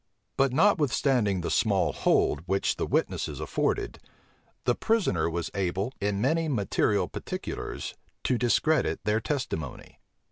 But notwithstanding the small hold which the witnesses afforded, the prisoner was able, in many material particulars, to discredit their testimony.